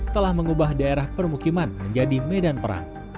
telah mengubah daerah permukiman menjadi medan perang